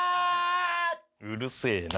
うるせえな。